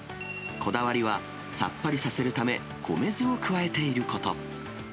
こだわりは、さっぱりさせるため、米酢を加えていること。